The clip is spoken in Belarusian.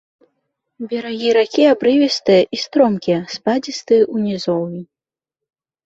Берагі ракі абрывістыя і стромкія, спадзістыя ў нізоўі.